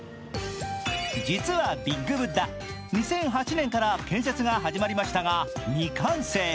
実はビッグブッダ、２００８年から建設が始まりましたが、未完成。